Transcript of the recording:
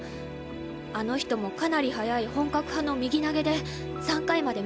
あの人もかなり速い本格派の右投げで３回まで無失点。